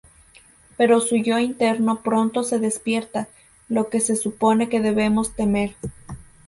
Pero su yo interno pronto se despierta, lo que se supone que debemos temer.